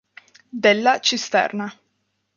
Della Cisterna